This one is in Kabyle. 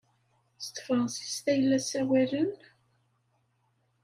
S tefṛensist ay la ssawalen?